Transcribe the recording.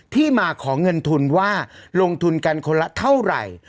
ที่มาของเงินทุนว่าลงทุนกันคนละเท่าไหร่